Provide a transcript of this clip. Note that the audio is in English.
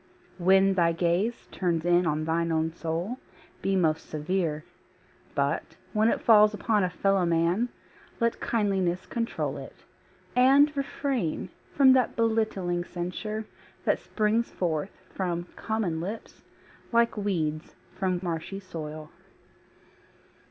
When thy gaze Turns in on thine own soul, be most severe. But when it falls upon a fellow man Let kindliness control it; and refrain From that belittling censure that springs forth From common lips like weeds from marshy soil.